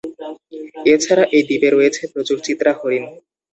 এছাড়া এই দ্বীপে রয়েছে প্রচুর চিত্রা হরিণ।